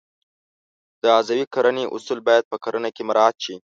د عضوي کرنې اصول باید په کرنه کې مراعات شي.